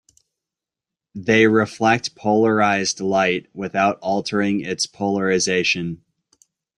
They reflect polarized light without altering its polarization.